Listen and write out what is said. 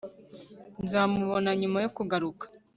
nzamubona nyuma yo kugaruka